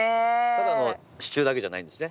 ただの支柱だけじゃないんですね。